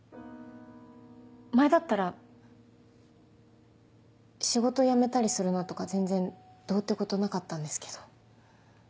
前だったら仕事辞めたりするのとか全然どうってことなかったんですけど。